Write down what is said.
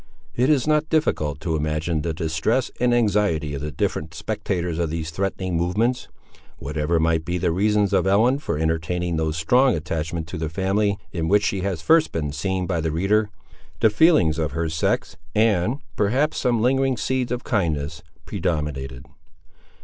It is not difficult to imagine the distress and anxiety of the different spectators of these threatening movements. Whatever might be the reasons of Ellen for entertaining no strong attachment to the family in which she has first been seen by the reader, the feelings of her sex, and, perhaps, some lingering seeds of kindness, predominated.